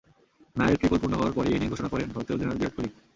নায়ারের triple পূর্ণ হওয়ার পরই ইনিংস ঘোষণা করেন ভারতের অধিনায়ক বিরাট কোহলি।